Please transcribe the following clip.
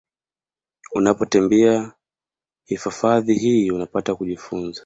Unapotembelea hifafadhi hii unapata kujifunza